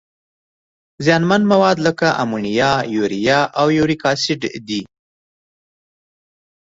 زیانمن مواد لکه امونیا، یوریا او یوریک اسید دي.